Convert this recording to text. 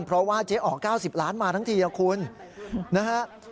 เพราะว่าเจ๋อ๋อก้าวสิบล้านมาทั้งทีนะคุณนะฮะ